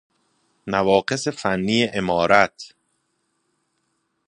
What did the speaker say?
نواقص فنی عمارت